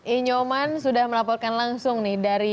i nyoman sudah melaporkan langsung nih dari dprk